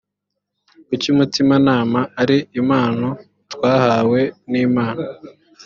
kuki umutimanama ari impano twahawe n imana